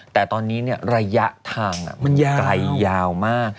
แต่ตอนนี้ระยะทางมันไกลยาวมาก